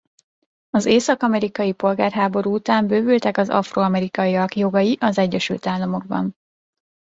Az Észak-Amerikai Polgárháború után bővültek az afroamerikaiak jogai az Egyesült Államokban.